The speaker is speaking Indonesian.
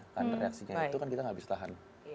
karena reaksinya itu kan kita nggak bisa tahan